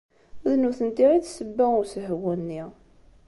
D nutenti i d ssebba n usehwu-nni.